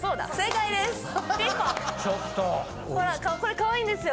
これかわいいんですよ